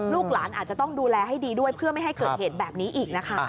ลูกหลานอาจจะต้องดูแลให้ดีด้วยเพื่อไม่ให้เกิดเหตุแบบนี้อีกนะคะ